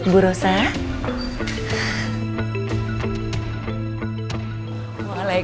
caget itu sebagai